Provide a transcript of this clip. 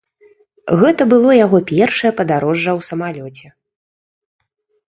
Гэта было яго першае падарожжа ў самалёце.